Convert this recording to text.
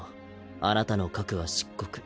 あなたの核は漆黒。